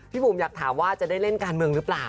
บุ๋มอยากถามว่าจะได้เล่นการเมืองหรือเปล่า